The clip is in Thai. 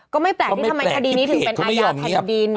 ก็ไม่แปลกที่ทำไมคดีนี้ถึงเป็นอาญาแผ่นดิน